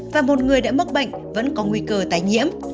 và một người đã mắc bệnh vẫn có nguy cơ tái nhiễm